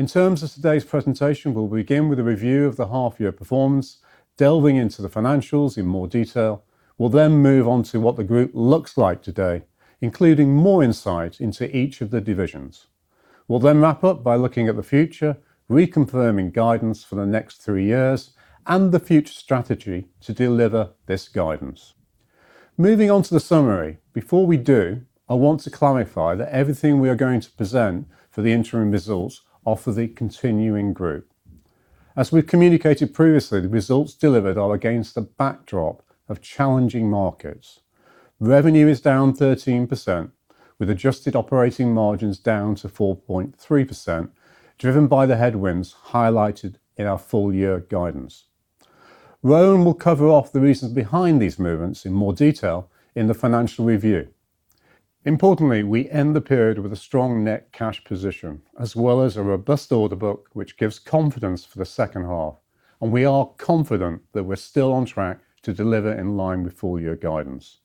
In terms of today's presentation, we'll begin with a review of the half-year performance, delving into the financials in more detail. We'll then move on to what the group looks like today, including more insight into each of the divisions. We'll then wrap up by looking at the future, reconfirming guidance for the next three years, and the future strategy to deliver this guidance. Moving on to the summary, before we do, I want to clarify that everything we are going to present for the interim results offers the continuing group. As we've communicated previously, the results delivered are against a backdrop of challenging markets. Revenue is down 13%, with adjusted operating margins down to 4.3%, driven by the headwinds highlighted in our full-year guidance. Rohan will cover off the reasons behind these movements in more detail in the financial review. Importantly, we end the period with a strong net cash position, as well as a robust order book, which gives confidence for the second half. We are confident that we're still on track to deliver in line with full-year guidance.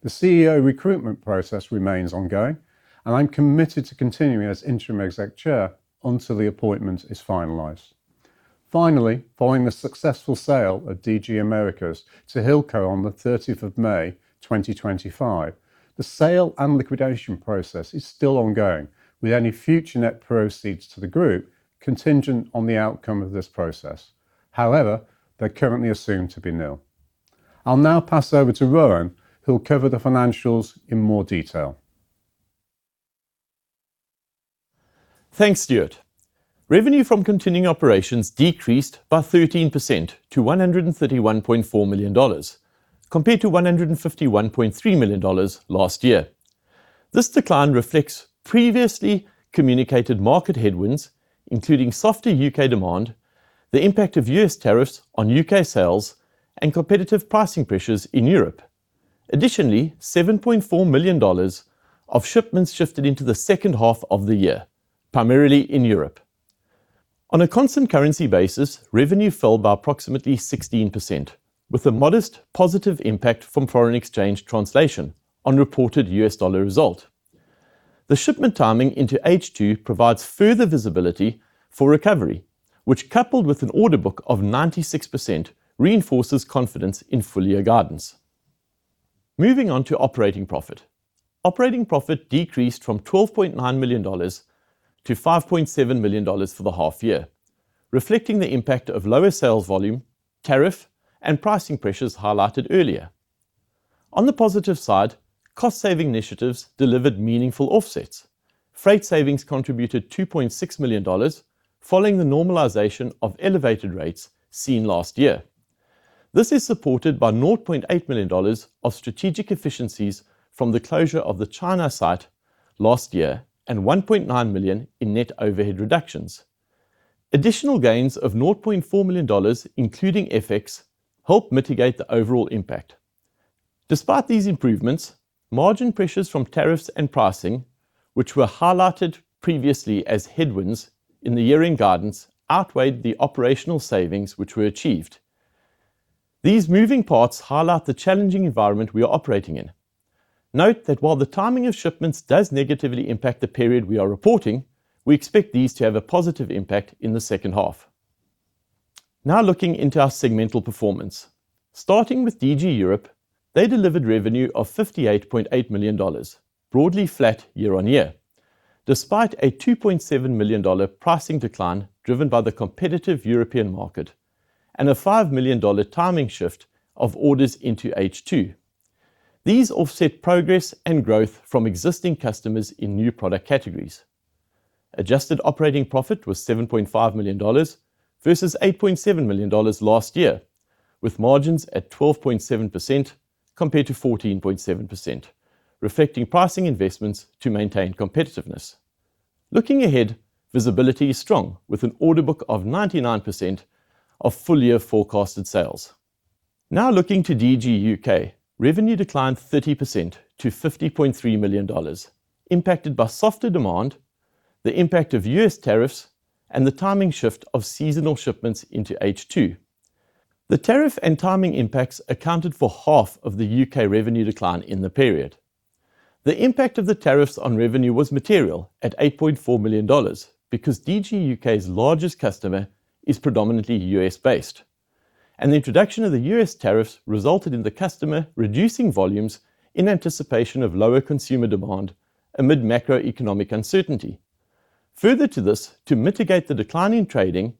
The CEO recruitment process remains ongoing, and I'm committed to continuing as Interim Exec Chair until the appointment is finalized. Finally, following the successful sale of DG Americas to Hilco on the 30th of May, 2025, the sale and liquidation process is still ongoing, with any future net proceeds to the group contingent on the outcome of this process. However, they're currently assumed to be nil. I'll now pass over to Rohan, who'll cover the financials in more detail. Thanks, Stuart. Revenue from continuing operations decreased by 13% to $131.4 million, compared to $151.3 million last year. This decline reflects previously communicated market headwinds, including softer U.K. demand, the impact of U.S. tariffs on U.K. sales, and competitive pricing pressures in Europe. Additionally, $7.4 million of shipments shifted into the second half of the year, primarily in Europe. On a constant currency basis, revenue fell by approximately 16%, with a modest positive impact from foreign exchange translation on reported U.S. dollar result. The shipment timing into H2 provides further visibility for recovery, which, coupled with an order book of 96%, reinforces confidence in full-year guidance. Moving on to operating profit. Operating profit decreased from $12.9 million to $5.7 million for the half-year, reflecting the impact of lower sales volume, tariff, and pricing pressures highlighted earlier. On the positive side, cost-saving initiatives delivered meaningful offsets. Freight savings contributed $2.6 million, following the normalization of elevated rates seen last year. This is supported by $0.8 million of strategic efficiencies from the closure of the China site last year and $1.9 million in net overhead reductions. Additional gains of $0.4 million, including FX, help mitigate the overall impact. Despite these improvements, margin pressures from tariffs and pricing, which were highlighted previously as headwinds in the year-end guidance, outweighed the operational savings which were achieved. These moving parts highlight the challenging environment we are operating in. Note that while the timing of shipments does negatively impact the period we are reporting, we expect these to have a positive impact in the second half. Now looking into our segmental performance. Starting with DG Europe, they delivered revenue of $58.8 million, broadly flat year on year, despite a $2.7 million pricing decline driven by the competitive European market and a $5 million timing shift of orders into H2. These offset progress and growth from existing customers in new product categories. Adjusted operating profit was $7.5 million versus $8.7 million last year, with margins at 12.7% compared to 14.7%, reflecting pricing investments to maintain competitiveness. Looking ahead, visibility is strong, with an order book of 99% of full-year forecasted sales. Now looking to DG U.K., revenue declined 30% to $50.3 million, impacted by softer demand, the impact of US tariffs, and the timing shift of seasonal shipments into H2. The tariff and timing impacts accounted for half of the U.K. revenue decline in the period. The impact of the tariffs on revenue was material at $8.4 million because DG U.K.'s largest customer is predominantly US-based. The introduction of the U.S. tariffs resulted in the customer reducing volumes in anticipation of lower consumer demand amid macroeconomic uncertainty. Further to this, to mitigate the decline in trading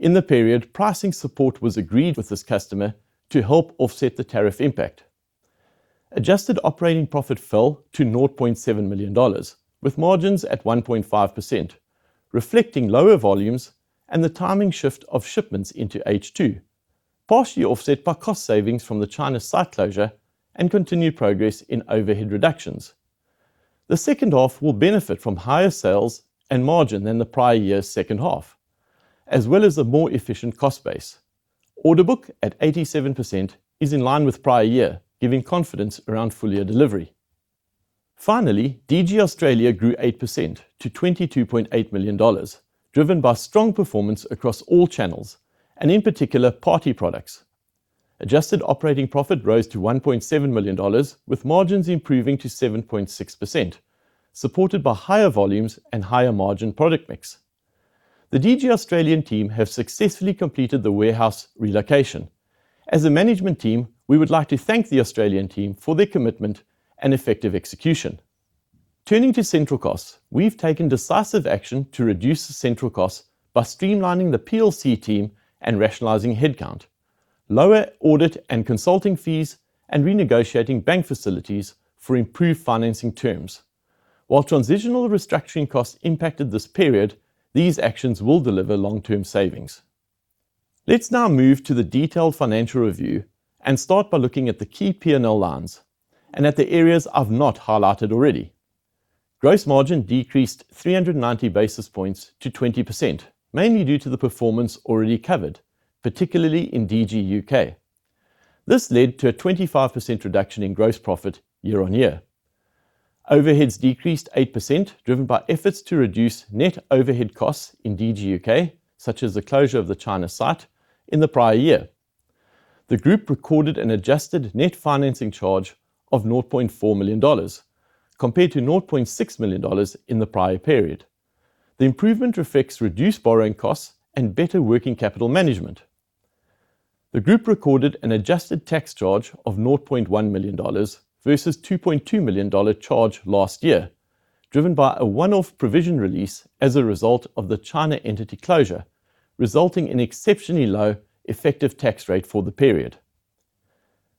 in the period, pricing support was agreed with this customer to help offset the tariff impact. Adjusted operating profit fell to $0.7 million, with margins at 1.5%, reflecting lower volumes and the timing shift of shipments into H2, partially offset by cost savings from the China site closure and continued progress in overhead reductions. The second half will benefit from higher sales and margin than the prior year's second half, as well as a more efficient cost base. Order book at 87% is in line with prior year, giving confidence around full-year delivery. Finally, DG Australia grew 8% to $22.8 million, driven by strong performance across all channels, and in particular, party products. Adjusted operating profit rose to $1.7 million, with margins improving to 7.6%, supported by higher volumes and higher margin product mix. The DG Australia team have successfully completed the warehouse relocation. As a management team, we would like to thank the Australian team for their commitment and effective execution. Turning to central costs, we've taken decisive action to reduce central costs by streamlining the PLC team and rationalizing headcount, lower audit and consulting fees, and renegotiating bank facilities for improved financing terms. While transitional restructuring costs impacted this period, these actions will deliver long-term savings. Let's now move to the detailed financial review and start by looking at the key P&L lines and at the areas I've not highlighted already. Gross margin decreased 390 basis points to 20%, mainly due to the performance already covered, particularly in DG U.K. This led to a 25% reduction in gross profit year on year. Overheads decreased 8%, driven by efforts to reduce net overhead costs in DG U.K., such as the closure of the China site in the prior year. The group recorded an adjusted net financing charge of $0.4 million, compared to $0.6 million in the prior period. The improvement reflects reduced borrowing costs and better working capital management. The group recorded an adjusted tax charge of $0.1 million versus $2.2 million charge last year, driven by a one-off provision release as a result of the China entity closure, resulting in an exceptionally low effective tax rate for the period.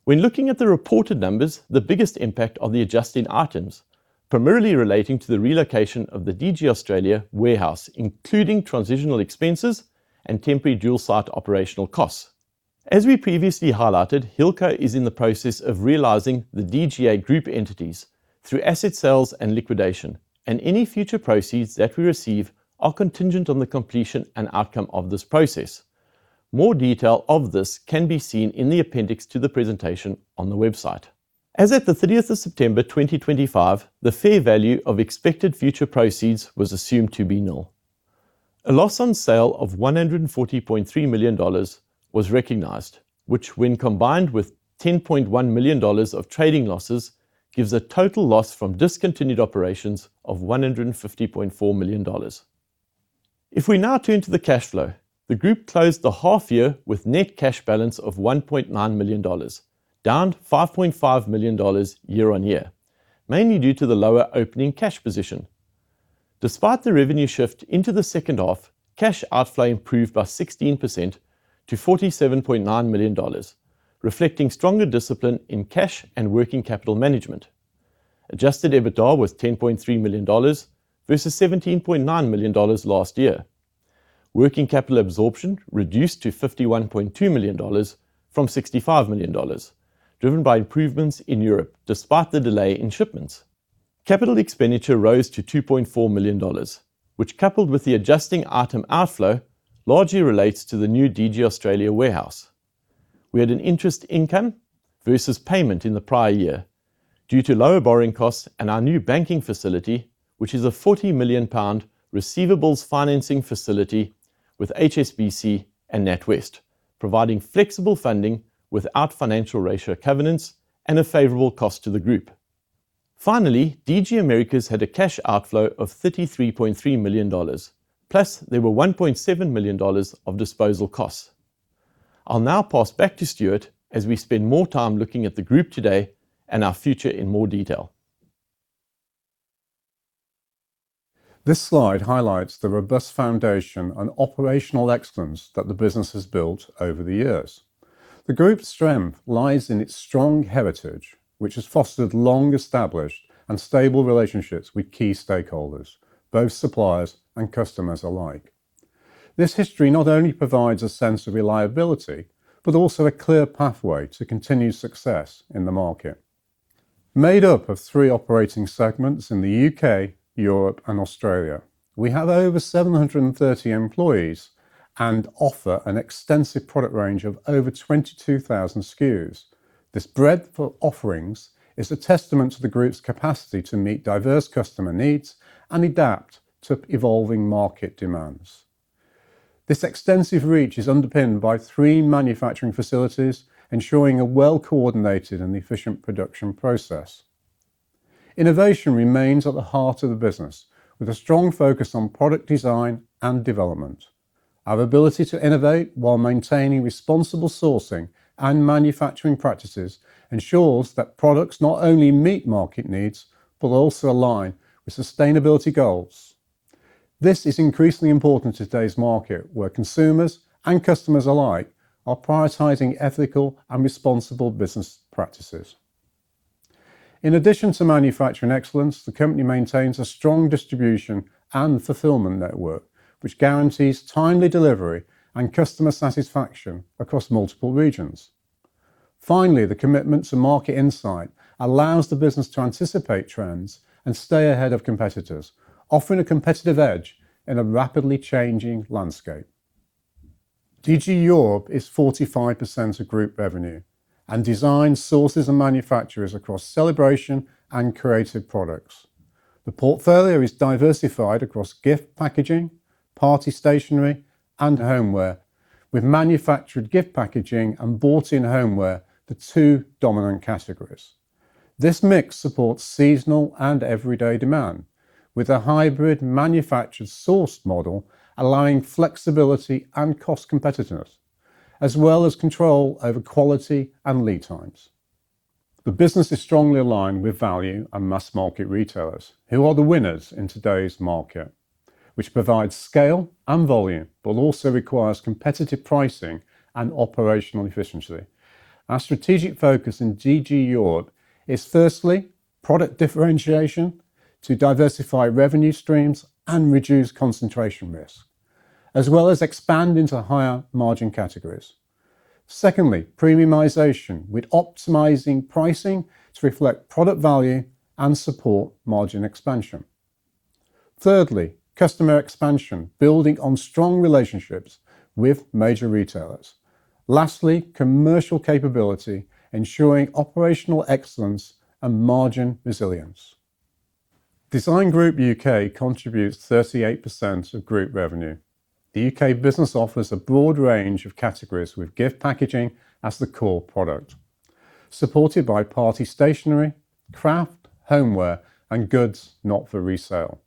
When looking at the reported numbers, the biggest impact are the adjusting items, primarily relating to the relocation of the DG Australia warehouse, including transitional expenses and temporary dual-site operational costs. As we previously highlighted, Hilco is in the process of realizing the DG Americas group entities through asset sales and liquidation, and any future proceeds that we receive are contingent on the completion and outcome of this process. More detail of this can be seen in the appendix to the presentation on the website. As of the 30th of September 2025, the fair value of expected future proceeds was assumed to be nil. A loss on sale of $140.3 million was recognized, which, when combined with $10.1 million of trading losses, gives a total loss from discontinued operations of $150.4 million. If we now turn to the cash flow, the group closed the half-year with a net cash balance of $1.9 million, down $5.5 million year on year, mainly due to the lower opening cash position. Despite the revenue shift into the second half, cash outflow improved by 16% to $47.9 million, reflecting stronger discipline in cash and working capital management. Adjusted EBITDA was $10.3 million versus $17.9 million last year. Working capital absorption reduced to $51.2 million from $65 million, driven by improvements in Europe despite the delay in shipments. Capital expenditure rose to $2.4 million, which, coupled with the adjusting item outflow, largely relates to the new DG Australia warehouse. We had an interest income versus payment in the prior year due to lower borrowing costs and our new banking facility, which is a 40 million pound receivables financing facility with HSBC and NatWest, providing flexible funding without financial ratio covenants and a favorable cost to the group. Finally, DG Americas had a cash outflow of $33.3 million, plus there were $1.7 million of disposal costs. I'll now pass back to Stuart as we spend more time looking at the group today and our future in more detail. This slide highlights the robust foundation and operational excellence that the business has built over the years. The group's strength lies in its strong heritage, which has fostered long-established and stable relationships with key stakeholders, both suppliers and customers alike. This history not only provides a sense of reliability, but also a clear pathway to continued success in the market. Made up of three operating segments in the U.K., Europe, and Australia, we have over 730 employees and offer an extensive product range of over 22,000 SKUs. This breadth of offerings is a testament to the group's capacity to meet diverse customer needs and adapt to evolving market demands. This extensive reach is underpinned by three manufacturing facilities, ensuring a well-coordinated and efficient production process. Innovation remains at the heart of the business, with a strong focus on product design and development. Our ability to innovate while maintaining responsible sourcing and manufacturing practices ensures that products not only meet market needs, but also align with sustainability goals. This is increasingly important in today's market, where consumers and customers alike are prioritizing ethical and responsible business practices. In addition to manufacturing excellence, the company maintains a strong distribution and fulfillment network, which guarantees timely delivery and customer satisfaction across multiple regions. Finally, the commitment to market insight allows the business to anticipate trends and stay ahead of competitors, offering a competitive edge in a rapidly changing landscape. DG Europe is 45% of group revenue and designs, sources, and manufactures across celebration and creative products. The portfolio is diversified across gift packaging, party stationery, and homeware, with manufactured gift packaging and bought-in homeware the two dominant categories. This mix supports seasonal and everyday demand, with a hybrid manufactured-sourced model allowing flexibility and cost competitiveness, as well as control over quality and lead times. The business is strongly aligned with value and mass-market retailers, who are the winners in today's market, which provides scale and volume, but also requires competitive pricing and operational efficiency. Our strategic focus in DG Europe is, firstly, product differentiation to diversify revenue streams and reduce concentration risk, as well as expand into higher margin categories. Secondly, premiumization with optimizing pricing to reflect product value and support margin expansion. Thirdly, customer expansion, building on strong relationships with major retailers. Lastly, commercial capability, ensuring operational excellence and margin resilience. Design Group U.K. contributes 38% of group revenue. The U.K. business offers a broad range of categories with gift packaging as the core product, supported by party stationery, craft, homeware, and goods not for resale.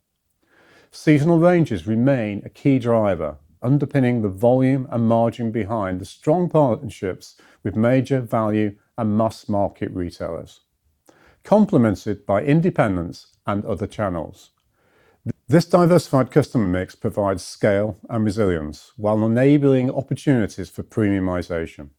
Seasonal ranges remain a key driver, underpinning the volume and margin behind the strong partnerships with major value and mass-market retailers, complemented by independents and other channels. This diversified customer mix provides scale and resilience while enabling opportunities for premiumization.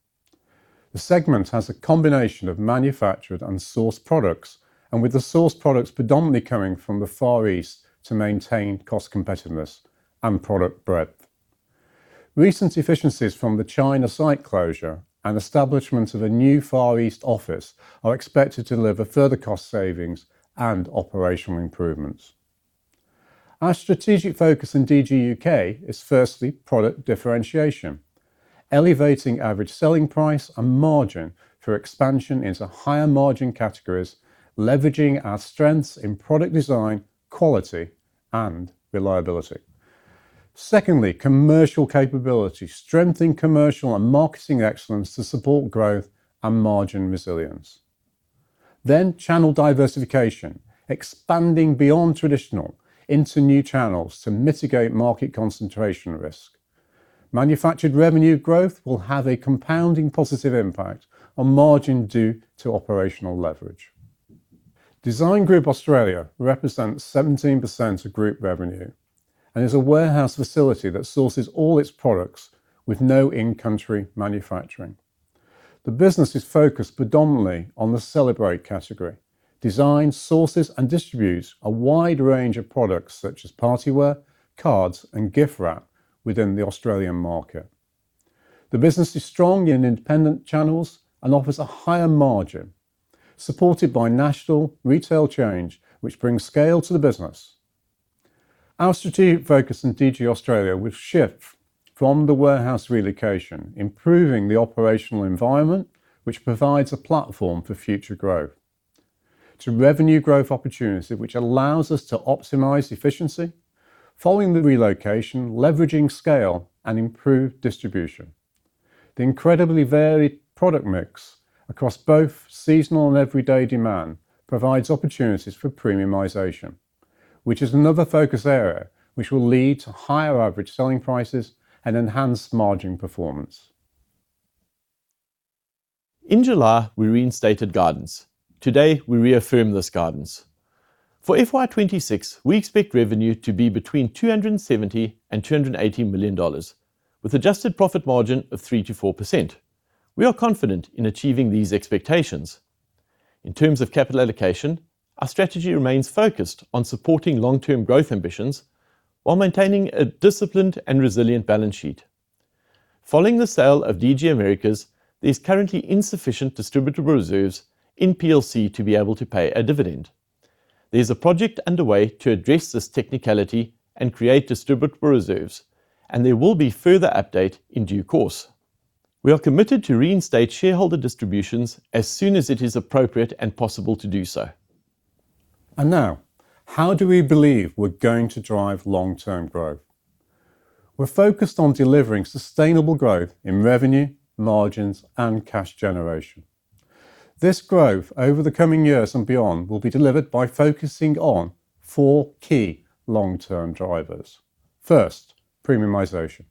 The segment has a combination of manufactured and sourced products, with the sourced products predominantly coming from the Far East to maintain cost competitiveness and product breadth. Recent efficiencies from the China site closure and establishment of a new Far East office are expected to deliver further cost savings and operational improvements. Our strategic focus in DG U.K. is, firstly, product differentiation, elevating average selling price and margin for expansion into higher margin categories, leveraging our strengths in product design, quality, and reliability. Secondly, commercial capability, strengthening commercial and marketing excellence to support growth and margin resilience. Channel diversification, expanding beyond traditional into new channels to mitigate market concentration risk. Manufactured revenue growth will have a compounding positive impact on margin due to operational leverage. Design Group Australia represents 17% of group revenue and is a warehouse facility that sources all its products with no in-country manufacturing. The business is focused predominantly on the celebrate category. Designs, sources, and distributes a wide range of products such as party wear, cards, and gift wrap within the Australian market. The business is strong in independent channels and offers a higher margin, supported by national retail chain, which brings scale to the business. Our strategic focus in DG Australia will shift from the warehouse relocation, improving the operational environment, which provides a platform for future growth, to revenue growth opportunities, which allows us to optimize efficiency following the relocation, leveraging scale and improved distribution. The incredibly varied product mix across both seasonal and everyday demand provides opportunities for premiumization, which is another focus area which will lead to higher average selling prices and enhanced margin performance. In July, we reinstated guidance. Today, we reaffirm these guidance. For FY2026, we expect revenue to be between $270 million-$280 million, with an adjusted profit margin of 3%-4%. We are confident in achieving these expectations. In terms of capital allocation, our strategy remains focused on supporting long-term growth ambitions while maintaining a disciplined and resilient balance sheet. Following the sale of DG Americas, there are currently insufficient distributable reserves in PLC to be able to pay a dividend. There is a project underway to address this technicality and create distributable reserves, and there will be further updates in due course. We are committed to reinstate shareholder distributions as soon as it is appropriate and possible to do so. Now, how do we believe we're going to drive long-term growth? We're focused on delivering sustainable growth in revenue, margins, and cash generation. This growth over the coming years and beyond will be delivered by focusing on four key long-term drivers. First, premiumization.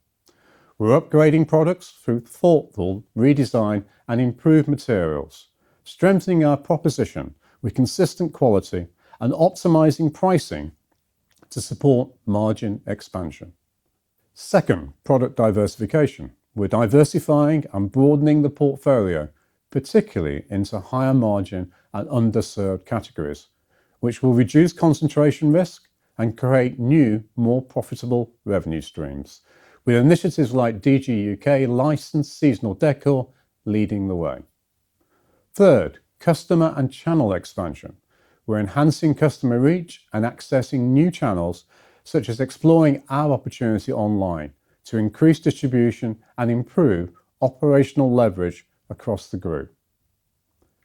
We're upgrading products through thoughtful redesign and improved materials, strengthening our proposition with consistent quality and optimizing pricing to support margin expansion. Second, product diversification. We're diversifying and broadening the portfolio, particularly into higher margin and underserved categories, which will reduce concentration risk and create new, more profitable revenue streams, with initiatives like DG U.K. licensed seasonal decor leading the way. Third, customer and channel expansion. We're enhancing customer reach and accessing new channels, such as exploring our opportunity online to increase distribution and improve operational leverage across the group.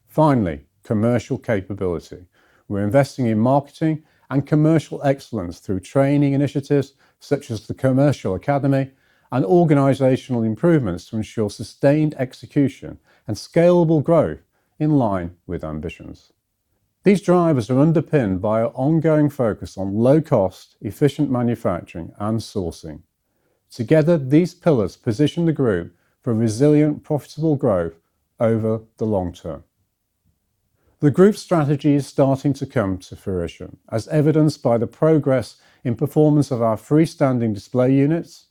Finally, commercial capability. We're investing in marketing and commercial excellence through training initiatives such as the Commercial Academy and organizational improvements to ensure sustained execution and scalable growth in line with ambitions. These drivers are underpinned by our ongoing focus on low-cost, efficient manufacturing and sourcing. Together, these pillars position the group for resilient, profitable growth over the long term. The group strategy is starting to come to fruition, as evidenced by the progress in performance of our freestanding display units.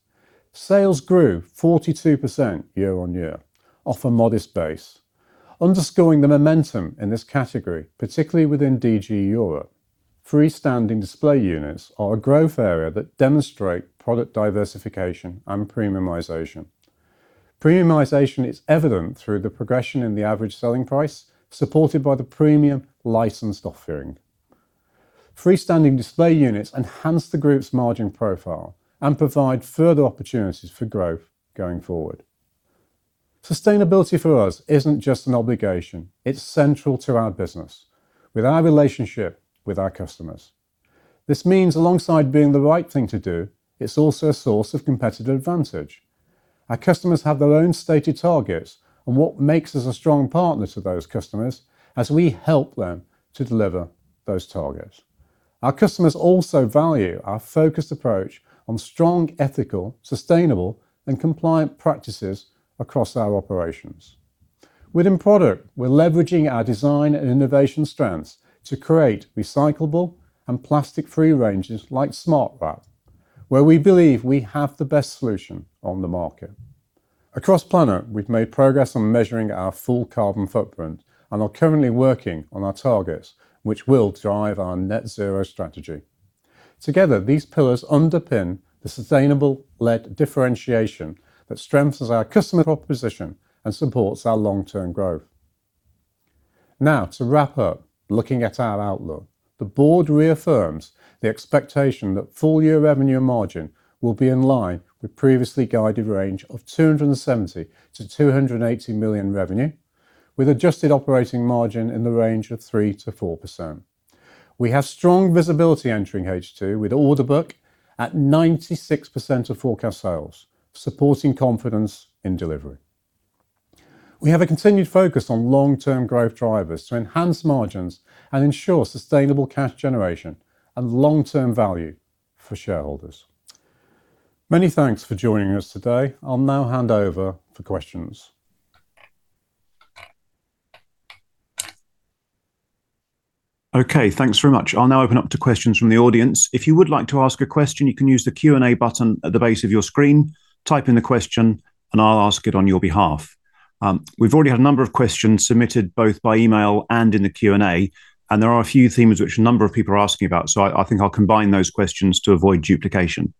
Sales grew 42% year on year, off a modest base, underscoring the momentum in this category, particularly within DG Europe. Freestanding display units are a growth area that demonstrates product diversification and premiumization. Premiumization is evident through the progression in the average selling price, supported by the premium licensed offering. Freestanding display units enhance the group's margin profile and provide further opportunities for growth going forward. Sustainability for us isn't just an obligation; it's central to our business, with our relationship with our customers. This means, alongside being the right thing to do, it's also a source of competitive advantage. Our customers have their own stated targets, and what makes us a strong partner to those customers is we help them to deliver those targets. Our customers also value our focused approach on strong, ethical, sustainable, and compliant practices across our operations. Within product, we're leveraging our design and innovation strengths to create recyclable and plastic-free ranges like Smart Wrap, where we believe we have the best solution on the market. Across planet, we've made progress on measuring our full carbon footprint and are currently working on our targets, which will drive our net zero strategy. Together, these pillars underpin the sustainable lead differentiation that strengthens our customer proposition and supports our long-term growth. Now, to wrap up looking at our outlook, the board reaffirms the expectation that full year revenue and margin will be in line with the previously guided range of $270 million-$280 million revenue, with adjusted operating margin in the range of 3%-4%. We have strong visibility entering H2 with the order book at 96% of forecast sales, supporting confidence in delivery. We have a continued focus on long-term growth drivers to enhance margins and ensure sustainable cash generation and long-term value for shareholders. Many thanks for joining us today. I'll now hand over for questions. Okay, thanks very much. I'll now open up to questions from the audience. If you would like to ask a question, you can use the Q&A button at the base of your screen, type in the question, and I'll ask it on your behalf. We've already had a number of questions submitted both by email and in the Q&A, and there are a few themes which a number of people are asking about, so I think I'll combine those questions to avoid duplication.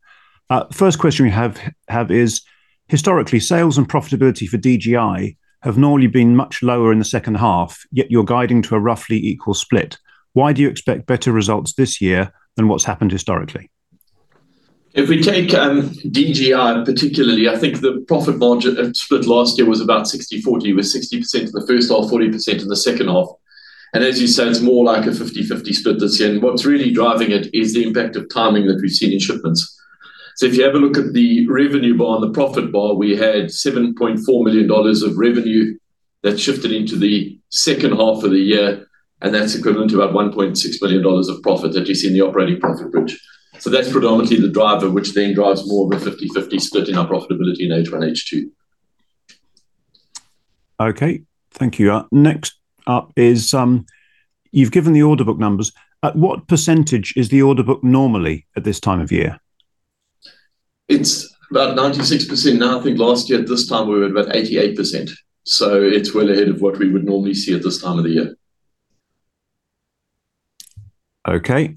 First question we have is, historically, sales and profitability for IG Design Group have normally been much lower in the second half, yet you're guiding to a roughly equal split. Why do you expect better results this year than what's happened historically? If we take DGI particularly, I think the profit margin split last year was about 60-40, with 60% of the first half, 40% of the second half. As you said, it's more like a 50-50 split this year. What's really driving it is the impact of timing that we've seen in shipments. If you have a look at the revenue bar and the profit bar, we had $7.4 million of revenue that shifted into the second half of the year, and that's equivalent to about $1.6 million of profit that you see in the operating profit bridge. That's predominantly the driver, which then drives more of a 50-50 split in our profitability in H1, H2. Okay, thank you. Next up is, you've given the order book numbers. At what percentage is the order book normally at this time of year? It's about 96%. Now, I think last year at this time, we were at about 88%. So it's well ahead of what we would normally see at this time of the year. Okay.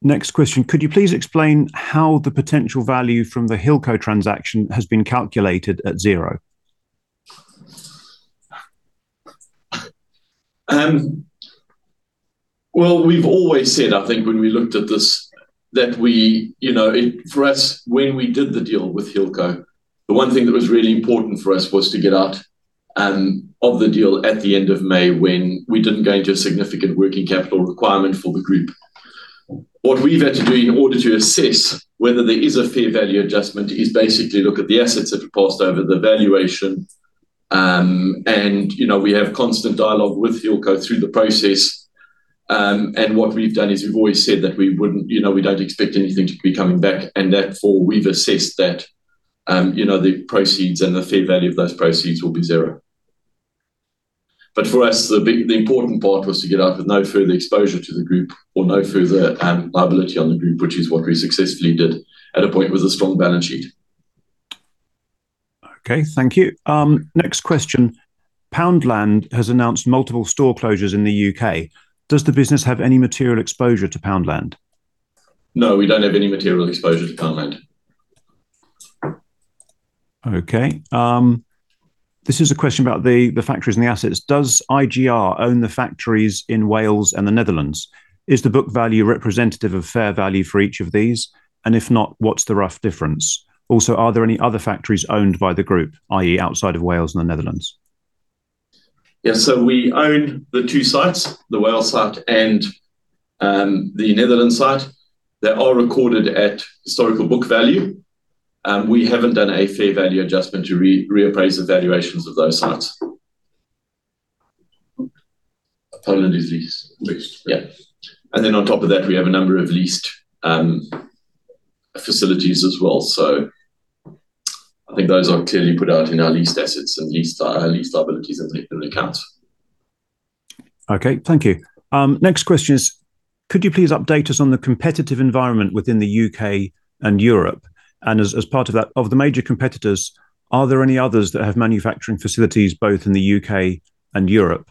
Next question. Could you please explain how the potential value from the Hilco transaction has been calculated at zero? We've always said, I think when we looked at this, that for us, when we did the deal with Hilco, the one thing that was really important for us was to get out of the deal at the end of May when we didn't go into a significant working capital requirement for the group. What we've had to do in order to assess whether there is a fair value adjustment is basically look at the assets that have passed over the valuation. We have constant dialogue with Hilco through the process. What we've done is we've always said that we don't expect anything to be coming back, and therefore we've assessed that the proceeds and the fair value of those proceeds will be zero. For us, the important part was to get out with no further exposure to the group or no further liability on the group, which is what we successfully did at a point with a strong balance sheet. Okay, thank you. Next question. Poundland has announced multiple store closures in the U.K. Does the business have any material exposure to Poundland? No, we don't have any material exposure to Poundland. Okay. This is a question about the factories and the assets. Does IGR own the factories in Wales and the Netherlands? Is the book value representative of fair value for each of these? If not, what's the rough difference? Also, are there any other factories owned by the group, i.e., outside of Wales and the Netherlands? Yeah, so we own the two sites, the Wales site and the Netherlands site. They are recorded at historical book value. We haven't done a fair value adjustment to reappraise the valuations of those sites. We have a number of leased facilities as well. I think those are clearly put out in our leased assets and leased liabilities and equity accounts. Okay, thank you. Next question is, could you please update us on the competitive environment within the U.K. and Europe? As part of that, of the major competitors, are there any others that have manufacturing facilities both in the U.K. and Europe?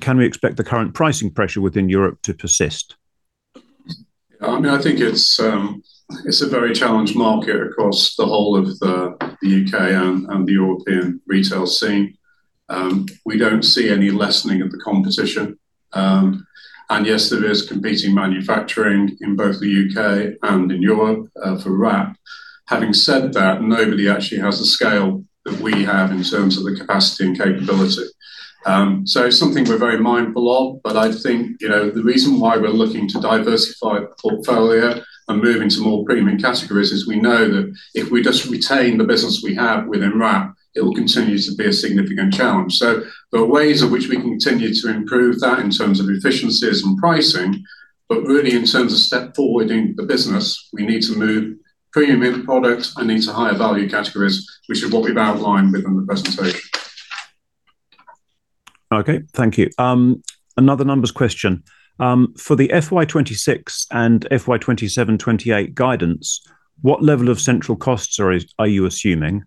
Can we expect the current pricing pressure within Europe to persist? I mean, I think it's a very challenged market across the whole of the U.K. and the European retail scene. We don't see any lessening of the competition. Yes, there is competing manufacturing in both the U.K. and in Europe for wrap. Having said that, nobody actually has the scale that we have in terms of the capacity and capability. It is something we're very mindful of, but I think the reason why we're looking to diversify the portfolio and move into more premium categories is we know that if we just retain the business we have within wrap, it will continue to be a significant challenge. There are ways in which we can continue to improve that in terms of efficiencies and pricing, but really in terms of step forward in the business, we need to move premium in products and into higher value categories, which is what we've outlined within the presentation. Okay, thank you. Another numbers question. For the FY26 and FY27/28 guidance, what level of central costs are you assuming?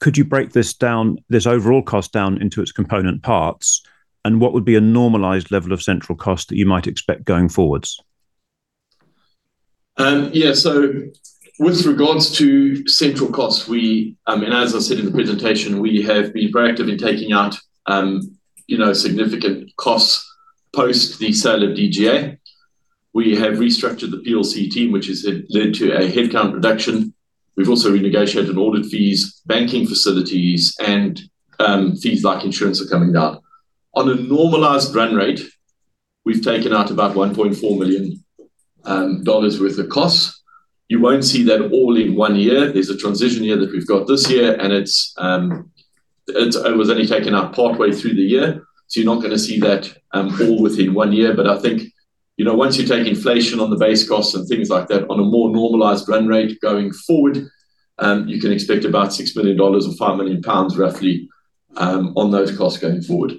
Could you break this overall cost down into its component parts? What would be a normalized level of central cost that you might expect going forwards? Yeah, so with regards to central costs, I mean, as I said in the presentation, we have been proactively taking out significant costs post the sale of DGA. We have restructured the PLC team, which has led to a headcount reduction. We've also renegotiated audit fees, banking facilities, and fees like insurance are coming down. On a normalized run rate, we've taken out about $1.4 million worth of costs. You won't see that all in one year. There's a transition year that we've got this year, and it was only taken out partway through the year. You're not going to see that all within one year. I think once you take inflation on the base costs and things like that, on a more normalized run rate going forward, you can expect about $6 million or 5 million pounds roughly on those costs going forward.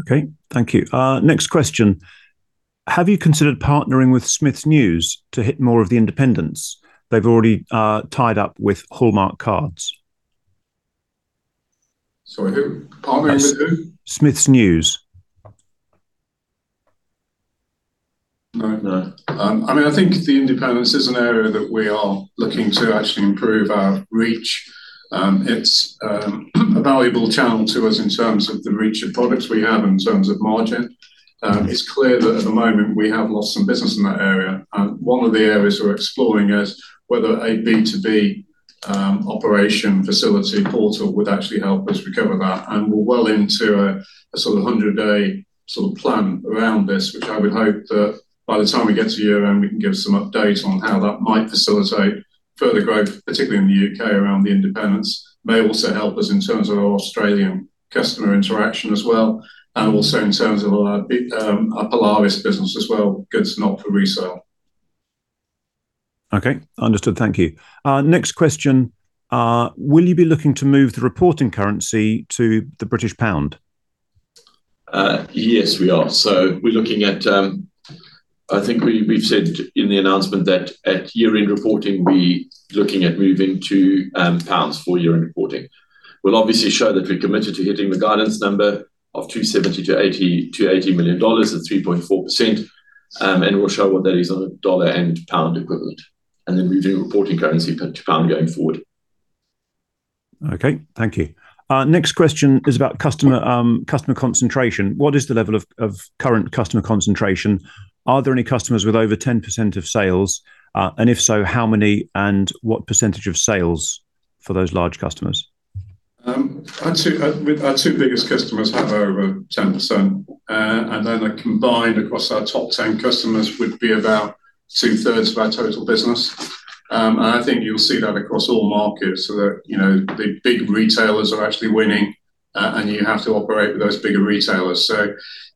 Okay, thank you. Next question. Have you considered partnering with Smith's News to hit more of the independents? They've already tied up with Hallmark Cards. Sorry, who? Partnering with who? Smith's News. No, no. I mean, I think the independents is an area that we are looking to actually improve our reach. It's a valuable channel to us in terms of the reach of products we have in terms of margin. It's clear that at the moment we have lost some business in that area. One of the areas we're exploring is whether a B2B operation facility portal would actually help us recover that. We are well into a sort of 100-day sort of plan around this, which I would hope that by the time we get to year-end, we can give some updates on how that might facilitate further growth, particularly in the U.K. around the independents. It may also help us in terms of our Australian customer interaction as well, and also in terms of our Polaris business as well, goods not for resale. Okay, understood. Thank you. Next question. Will you be looking to move the reporting currency to the British pound? Yes, we are. We're looking at, I think we've said in the announcement that at year-end reporting, we're looking at moving to pounds for year-end reporting. We'll obviously show that we're committed to hitting the guidance number of $270 million-$280 million at 3.4%, and we'll show what that is on a dollar and pound equivalent. Then moving reporting currency to pound going forward. Okay, thank you. Next question is about customer concentration. What is the level of current customer concentration? Are there any customers with over 10% of sales? If so, how many and what percentage of sales for those large customers? Our two biggest customers have over 10%. Then combined across our top 10 customers would be about two-thirds of our total business. I think you'll see that across all markets so that the big retailers are actually winning, and you have to operate with those bigger retailers.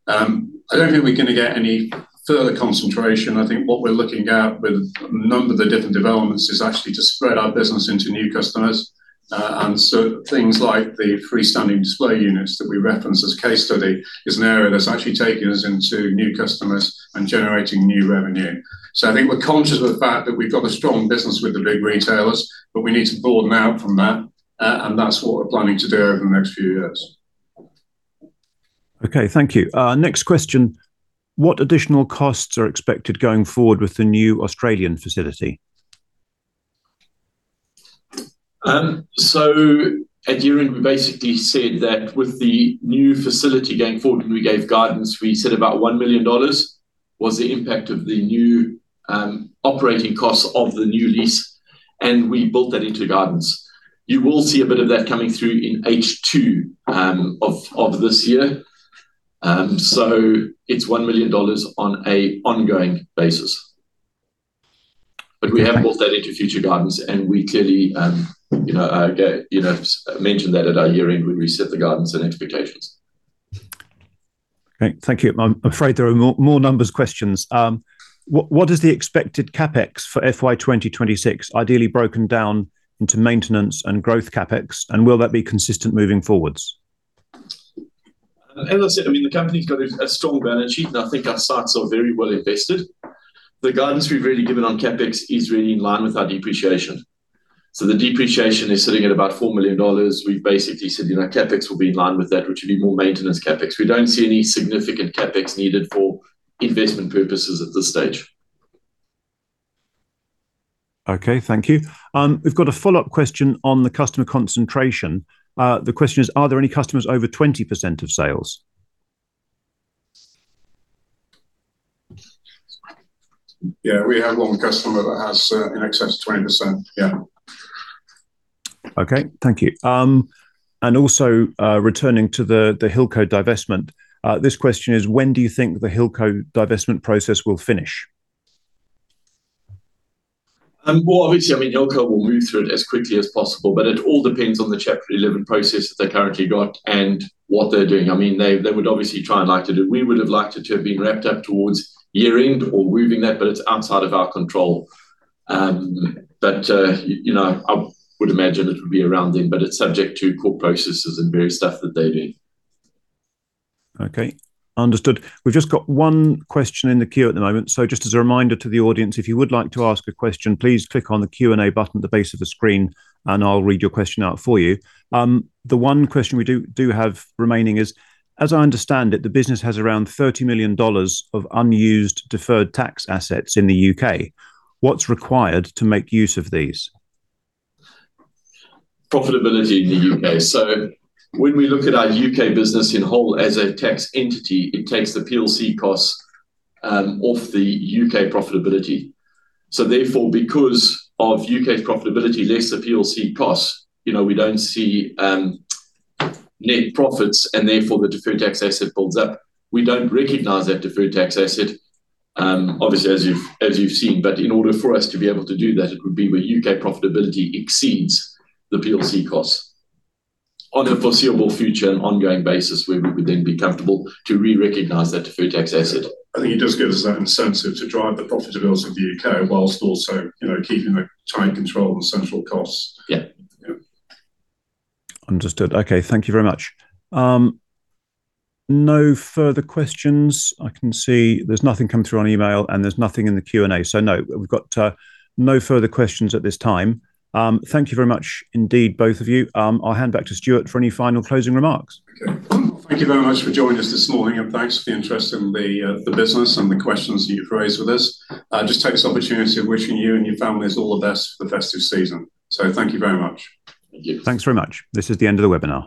I don't think we're going to get any further concentration. I think what we're looking at with a number of the different developments is actually to spread our business into new customers. Things like the freestanding display units that we reference as case study is an area that's actually taking us into new customers and generating new revenue. I think we're conscious of the fact that we've got a strong business with the big retailers, but we need to broaden out from that. That's what we're planning to do over the next few years. Okay, thank you. Next question. What additional costs are expected going forward with the new Australian facility? At year-end, we basically said that with the new facility going forward, we gave guidance. We said about $1 million was the impact of the new operating costs of the new lease. We built that into guidance. You will see a bit of that coming through in H2 of this year. It is $1 million on an ongoing basis. We have built that into future guidance, and we clearly mentioned that at our year-end when we set the guidance and expectations. Okay, thank you. I'm afraid there are more numbers questions. What is the expected CapEx for FY2026, ideally broken down into maintenance and growth CapEx? Will that be consistent moving forwards? As I said, I mean, the company's got a strong balance sheet, and I think our sites are very well invested. The guidance we've really given on CapEx is really in line with our depreciation. The depreciation is sitting at about $4 million. We've basically said CapEx will be in line with that, which will be more maintenance CapEx. We don't see any significant CapEx needed for investment purposes at this stage. Okay, thank you. We've got a follow-up question on the customer concentration. The question is, are there any customers over 20% of sales? Yeah, we have one customer that has in excess of 20%. Yeah. Okay, thank you. Also, returning to the Hilco divestment, this question is, when do you think the Hilco divestment process will finish? Obviously, I mean, Hilco will move through it as quickly as possible, but it all depends on the Chapter 11 process that they currently got and what they're doing. I mean, they would obviously try and like to do. We would have liked it to have been wrapped up towards year-end or moving that, but it's outside of our control. I would imagine it would be around then, but it's subject to court processes and various stuff that they do. Okay, understood. We've just got one question in the queue at the moment. Just as a reminder to the audience, if you would like to ask a question, please click on the Q&A button at the base of the screen, and I'll read your question out for you. The one question we do have remaining is, as I understand it, the business has around $30 million of unused deferred tax assets in the U.K. What's required to make use of these? Profitability in the U.K. When we look at our U.K. business in whole as a tax entity, it takes the PLC costs off the U.K. profitability. Therefore, because of U.K. profitability, less the PLC costs, we do not see net profits, and therefore the deferred tax asset builds up. We do not recognize that deferred tax asset, obviously, as you have seen, but in order for us to be able to do that, it would be where U.K. profitability exceeds the PLC costs on a foreseeable future and ongoing basis where we would then be comfortable to re-recognize that deferred tax asset. I think it just gives us that incentive to drive the profitability of the U.K. whilst also keeping a tight control on central costs. Yeah. Understood. Okay, thank you very much. No further questions. I can see there's nothing come through on email, and there's nothing in the Q&A. No, we've got no further questions at this time. Thank you very much indeed, both of you. I'll hand back to Stuart for any final closing remarks. Thank you very much for joining us this morning, and thanks for the interest in the business and the questions that you've raised with us. I just take this opportunity of wishing you and your families all the best for the festive season. Thank you very much. Thank you. Thanks very much. This is the end of the webinar.